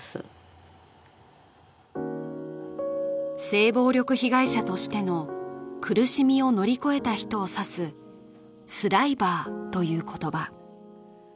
性暴力被害者としての苦しみを乗り越えた人を指す「スライバー」という言葉